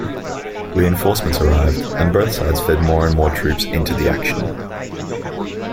Reinforcements arrived, and both sides fed more and more troops into the action.